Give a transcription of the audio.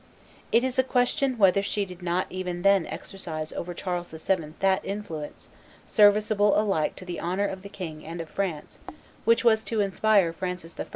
It is a question whether she did not even then exercise over Charles VII. that influence, serviceable alike to the honor of the king and of France, which was to inspire Francis I.